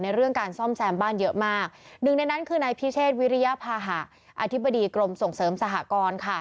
เรื่องการซ่อมแซมบ้านเยอะมากหนึ่งในนั้นคือนายพิเชษวิริยภาหะอธิบดีกรมส่งเสริมสหกรค่ะ